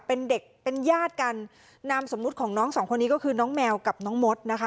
เป็นเด็กเป็นญาติกันนามสมมุติของน้องสองคนนี้ก็คือน้องแมวกับน้องมดนะคะ